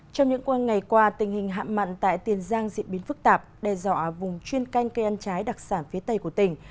trong những qua ngày qua tình hình hạm mặn tại tiền giang diễn biến phức tạp đe dọa vùng chuyên canh cây ăn trái đặc sản phía tây của tỉnh